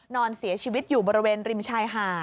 นอนเสียชีวิตอยู่บริเวณริมชายหาด